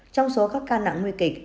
trong số các ca nặng nguy kịch